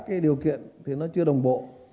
các điều kiện thì nó chưa đồng bộ